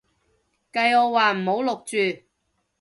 計我話唔好錄住